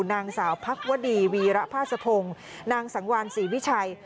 นางสาวพักวดีวีระพาสะพงศ์นางสังวานศรีวิชัย